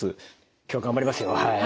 今日頑張りますよはい。